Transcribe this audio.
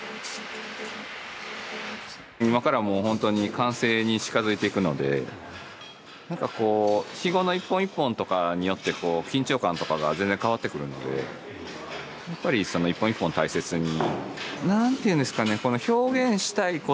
今からもうほんとに完成に近づいていくのでなんかこうヒゴの一本一本とかによって緊張感とかが全然変わってくるのでやっぱり一本一本大切に。